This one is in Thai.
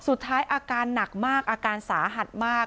สุดท้ายอาการหนักมากอาการสาหัดมาก